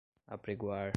apregoar